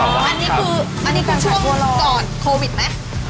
อันนี้คือช่วงก่อนโควิดไหม